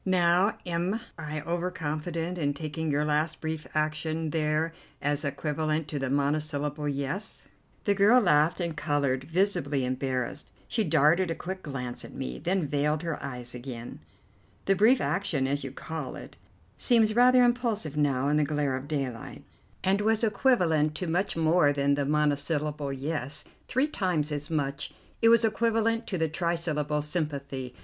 Now am I over confident in taking your last brief action there as equivalent to the monosyllable 'Yes'?" The girl laughed and coloured, visibly embarrassed. She darted a quick glance at me, then veiled her eyes again. "The brief action, as you call it, seems rather impulsive now in the glare of daylight, and was equivalent to much more than the monosyllable 'Yes'. Three times as much. It was equivalent to the trisyllable 'Sympathy.